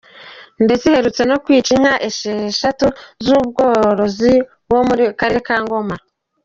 Ndetse iherutse no kwica inka esheshatu z’ ubworozi wo mu karere ka Ngoma.